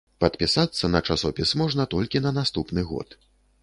Падпісацца на часопіс можна толькі на наступны год.